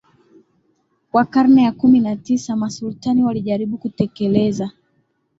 wa karne ya kumi na tisa Masultani walijaribu kutekeleza